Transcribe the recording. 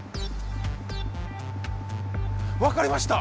分かりました？